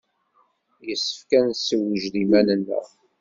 Yessefk ad nessewjed iman-nneɣ.